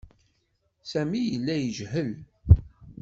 Sami yella yejhel.